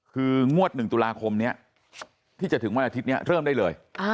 คืองวด๑ตุลาคมนี้ที่จะถึงวันอาทิตย์นี้เริ่มได้เลย